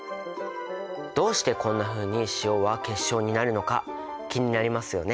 どうしてこんなふうに塩は結晶になるのか気になりますよね。